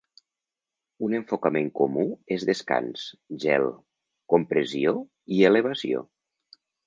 Un enfocament comú és descans, gel, compressió i elevació.